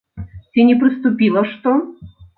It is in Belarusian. Ці не прыступіла што?